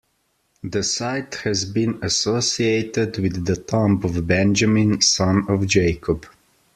The site has been associated with the tomb of Benjamin, son of Jacob.